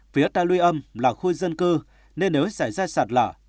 phía ta luy âm là khu dân cư nên nếu xảy ra sạt lở sẽ đe dọa trực tiếp